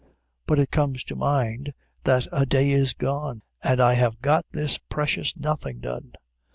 But it comes to mind that a day is gone, and I have got this precious nothing done.